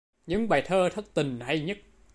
Những bài thơ thất tình hay nhất